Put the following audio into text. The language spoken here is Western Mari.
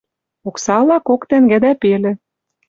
Оксала кок тӓнгӓ дӓ пелӹ.